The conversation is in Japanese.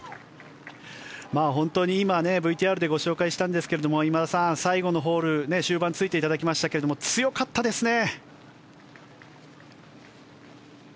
本当に今ＶＴＲでご紹介しましたが今田さん、最後のホール終盤ついていただきましたけど強かったですね。